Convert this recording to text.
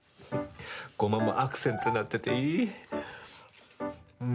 ゴマもアクセントになってていい。